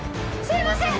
すいません！